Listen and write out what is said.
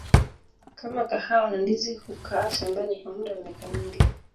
kama kahawa na ndizi hukaa shambani kwa muda wa miaka mingi